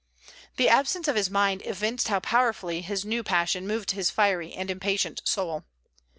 The absence of his mind evinced how powerfully his new passion moved his fiery and impatient soul.